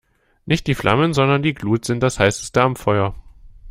Nicht die Flammen, sondern die Glut sind das Heißeste am Feuer.